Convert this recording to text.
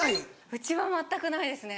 うちは全くないですね